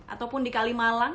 ataupun di kalimalang